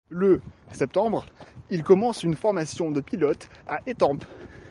Le septembre, il commence une formation de pilote à Étampes.